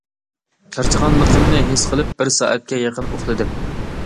چارچىغانلىقىمنى ھېس قىلىپ، بىر سائەتكە يېقىن ئۇخلىدىم.